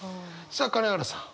さあ金原さん。